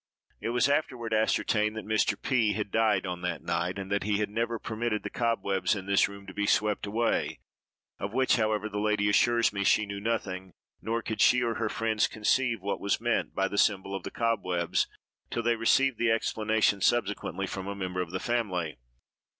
'" It was afterward ascertained that Mr. P—— had died on that night, and that he had never permitted the cobwebs in this room to be swept away, of which, however, the lady assures me she knew nothing; nor could she or her friends conceive what was meant by the symbol of the cobwebs, till they received the explanation subsequently from a member of the family.